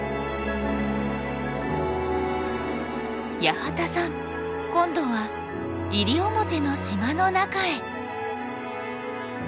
八幡さん今度は西表の島の中へ。